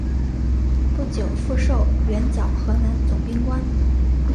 不久复授援剿河南总兵官。